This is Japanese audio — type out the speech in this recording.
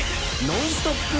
ノンストップ！